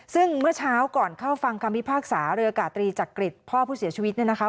ซึ่งเมื่อเช้าก่อนเข้าฟังคำพิพากษาเรือกาตรีจักริตพ่อผู้เสียชีวิตเนี่ยนะคะ